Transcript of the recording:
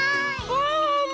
ワンワンも！